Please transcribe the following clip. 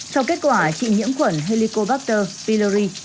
sau kết quả chị nhiễm khuẩn helicobacter pylori